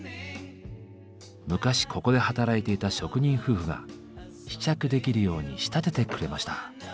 昔ここで働いていた職人夫婦が試着できるように仕立ててくれました。